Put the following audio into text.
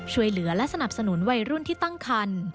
ช่วยเหลือและสนับสนุนวัยรุ่นที่ตั้งคัน